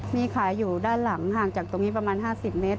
มีขายอยู่ด้านหลังห่างจากตรงนี้ประมาณ๕๐เมตร